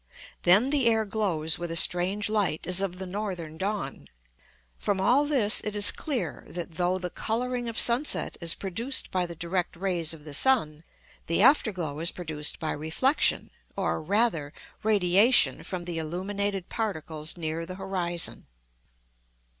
Then the air glows with a strange light as of the northern dawn. From all this it is clear that, though the colouring of sunset is produced by the direct rays of the sun, the afterglow is produced by reflection, or, rather, radiation from the illuminated particles near the horizon.